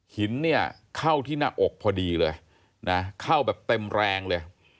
หินเนี่ยเข้าที่หน้าอกพอดีเลยนะเข้าแบบเต็มแรงเลย